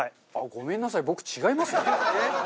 ごめんなさい僕違いますね。